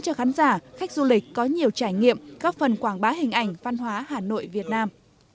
cho khán giả khách du lịch có nhiều trải nghiệm góp phần quảng bá hình ảnh văn hóa hà nội việt nam